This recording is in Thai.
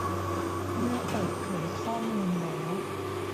เมื่อเปิดเผยข้อมูลแล้ว